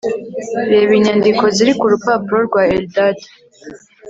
Reba inyandiko ziri ku rupapuro rwa Eldad